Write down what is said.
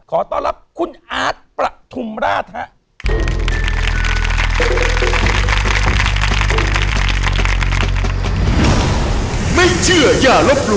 ขอต้อนรับคุณอาร์ดประถุมราชฮะ